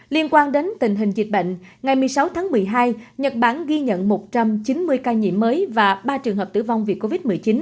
liên quan đến tình hình dịch bệnh ngày một mươi sáu tháng một mươi hai nhật bản ghi nhận một trăm chín mươi ca nhiễm mới và ba trường hợp tử vong vì covid một mươi chín